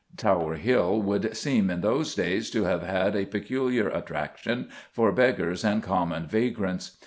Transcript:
Tower Hill would seem, in those days, to have had a peculiar attraction for "beggars and common vagrants."